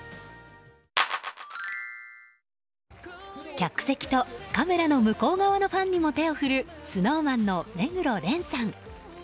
客席とカメラの向こう側のファンにも手を振るＳｎｏｗＭａｎの目黒蓮さん。